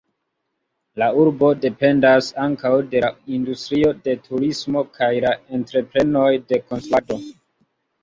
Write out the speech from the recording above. La urbo dependas ankaŭ de la industrio de turismo kaj la entreprenoj de konstruado.